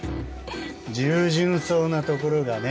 従順そうなところがね。